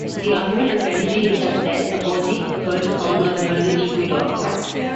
The argument of perigee is such that apogee occurs on or near the equator.